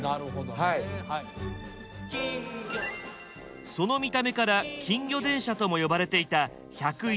その見た目から金魚電車とも呼ばれていた１０１系電車。